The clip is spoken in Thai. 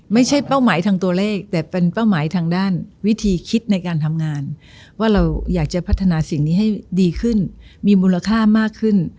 เป้าหมายทางตัวเลขแต่เป็นเป้าหมายทางด้านวิธีคิดในการทำงานว่าเราอยากจะพัฒนาสิ่งนี้ให้ดีขึ้นมีมูลค่ามากขึ้น